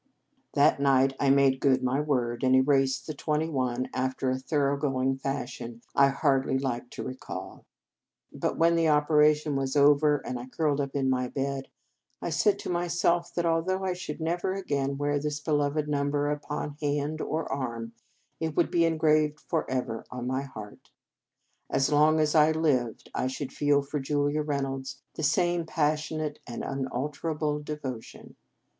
That night I made good my word, and erased the twenty one after a thorough going fashion I hardly like to recall. But when the operation was over, and I curled up in my bed, I said to myself that although I should never again wear this beloved num ber upon hand or arm, it would be engraved forever on my heart. As long as I lived, I should feel for Julia Reynolds the same passionate and unalterable devotion.